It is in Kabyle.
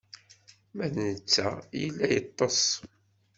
Ma d netta yella yeṭṭeṣ.